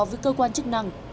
với cơ quan chức năng